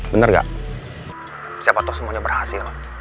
bener gak siapa tau semuanya berhasil